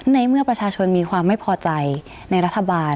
ในเมื่อประชาชนมีความไม่พอใจในรัฐบาล